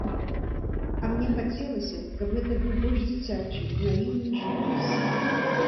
А мне хацелася, каб гэта быў больш дзіцячы, наіўны жывапіс.